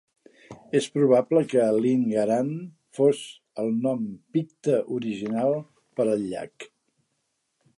És probable que "Linn Garan" fos el nom picte original per al llac.